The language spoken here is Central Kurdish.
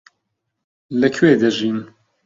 لەکوێ دەژیم؟